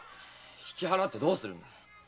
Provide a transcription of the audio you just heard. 引き払ってどうすんだよ。